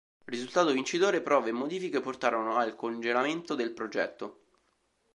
Risultato vincitore, prove e modifiche portarono al congelamento del progetto.